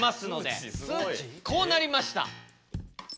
こうなりました！